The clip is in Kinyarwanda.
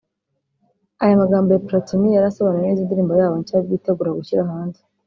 Aya magambo ya Platini yari asobanuye neza indirimbo yabo nshya bitegura gushyira hanze